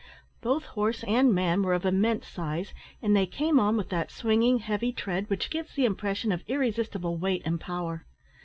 Both horse and man were of immense size, and they came on with that swinging, heavy tread, which gives the impression of irresistible weight and power.